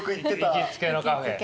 行きつけのカフェ。